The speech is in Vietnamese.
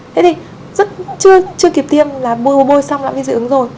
thế thì rất chưa kịp tiêm là bôi xong là bị dị ứng rồi